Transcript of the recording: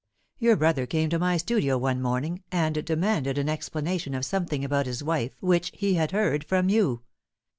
Your brother came to my studio one morning, and demanded an explanation of something about his wife which he had heard from you.